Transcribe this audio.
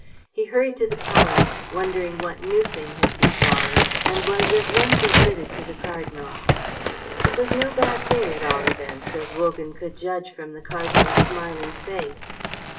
He hurried to the palace, wondering what new thing had befallen, and was at once admitted to the Cardinal. It was no bad thing, at all events, as Wogan could judge from the Cardinal's smiling face.